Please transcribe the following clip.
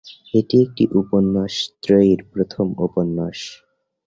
এটি একটি উপন্যাস ত্রয়ীর প্রথম উপন্যাস।